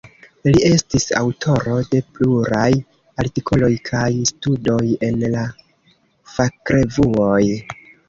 Li estis aŭtoro de pluraj artikoloj kaj studoj en la fakrevuoj.